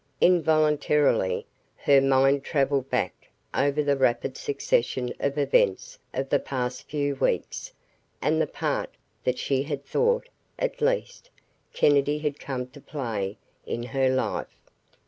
Involuntarily, her mind travelled back over the rapid succession of events of the past few weeks and the part that she had thought, at least, Kennedy had come to play in her life.